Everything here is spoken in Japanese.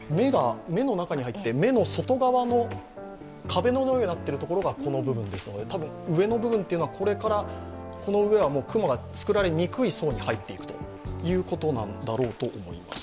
目の中に入って、目の外側の壁のようになっているのがこの部分ですので、多分、この上は雲が作られにくい層に入っていくんだろうと思います。